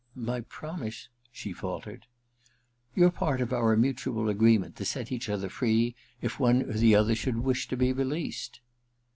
* My promise ' she faltered. * Your part of our mutual agreement to set each other free if one or the other should wish to be released.'